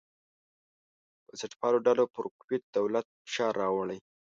بنسټپالو ډلو پر کویت دولت فشار راوړی.